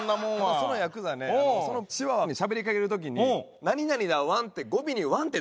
そのヤクザねそのチワワにしゃべりかける時に「何々だワン」って語尾に「ワン」って付けててんな。